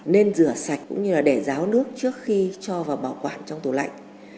nên rửa sạch cũng như là để ráo nước trước khi cho vào bảo quản trong tủ lạnh